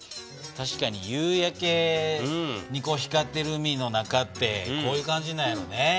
確かに夕焼けに光っている海の中ってこういう感じなんやろうね。